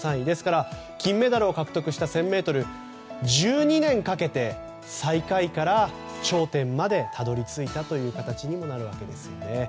ですから金メダルを獲得した１０００ｍ１２年かけて最下位から頂点までたどり着いたという形になるわけですね。